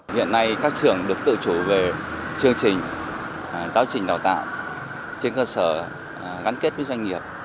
hiện nay các trường được tự chủ về chương trình giáo trình đào tạo trên cơ sở gắn kết với doanh nghiệp